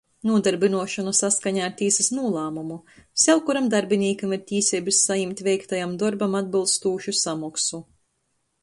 Nūdarbynuošona saskaņā ar tīsys nūlāmumu. Sevkuram darbinīkam ir tīseibys sajimt veiktajam dorbam atbylstūšu samoksu,